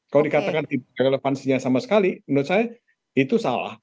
kalau dikatakan tidak relevansinya sama sekali menurut saya itu salah